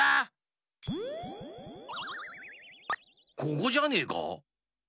ここじゃねえか？